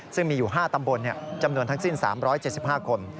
ซึ่งมีอยู่๕ตำบลจำนวนทั้งสิ้น๓๗๕คน